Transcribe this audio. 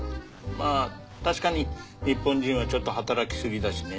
まぁ確かに日本人はちょっと働きすぎだしね。